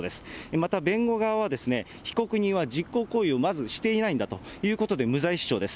また、弁護側は被告人は実行行為をまずしていないんだということで、無罪主張です。